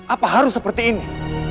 apa harus seperti ini